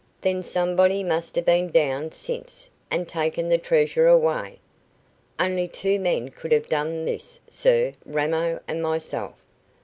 "Then somebody must have been down since, and taken the treasure away." "Only two men could have done this, sir, Ramo and myself."